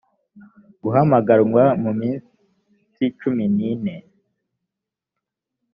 guhamagazwa mu minsi cumi n ine